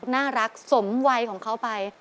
น่ารักสมวัยของเขาไป